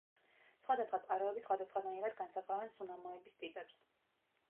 სხვადასხვა წყაროები სხვადასხვანაირად განსაზღვრავენ სუნამოების ტიპებს.